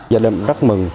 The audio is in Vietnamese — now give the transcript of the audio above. gia đình rất mừng